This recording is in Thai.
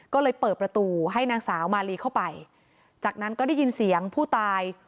ก็เลยเปิดประตูให้นางสาวมาลีเข้าไปจากนั้นก็ได้ยินเสียงผู้ตาย